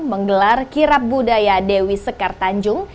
menggelar kirap budaya dewi sekar tanjung